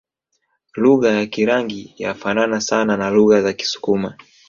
Lugha ya Kirangi yafanana sana na lugha za Kisukuma